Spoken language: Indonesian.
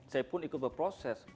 saya pun ikut berproses